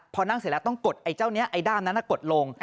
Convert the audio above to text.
พอนั่งเสร็จแล้วต้องกดไอ้เจ้านี้ไอ้ด้ามนั้นกดลง